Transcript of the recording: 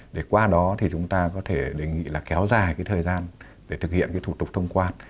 để qua đó chúng ta có thể kéo dài thời gian để thực hiện thủ tục thông quan